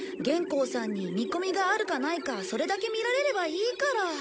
元高さんに見込みがあるかないかそれだけ見られればいいから。